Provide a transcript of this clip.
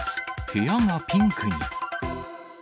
部屋がピンクに。